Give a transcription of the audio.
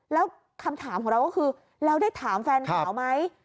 แล้วคำถามของเราก็คือแล้วได้ถามแฟนสาวไหม